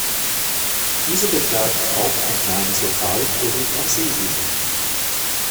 Diese betreibt auch ein kleines Lokal direkt am Seeufer.